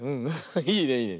いいねいいね。